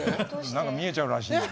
何か見えちゃうらしい。